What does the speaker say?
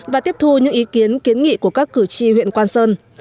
và tiếp thu những ý kiến kiến nghị của các cử tri huyện quang sơn